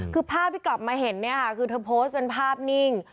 คือภาพที่กลับมาเห็นเนี่ยค่ะคือเธอโพสต์เป็นภาพนิ่ง